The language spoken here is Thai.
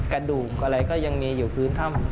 กระดูกอะไรก็ยังมีอยู่พื้นถ้ำ